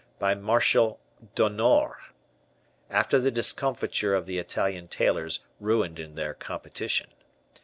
by Marshal d'Onore, after the discomfiture of the Italian tailors ruined in their competition.